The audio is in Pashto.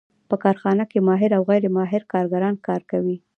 په کارخانه کې ماهر او غیر ماهر کارګران کار کوي